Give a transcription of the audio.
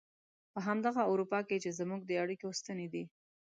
په همدغه اروپا کې چې زموږ د اړيکو ستنې دي.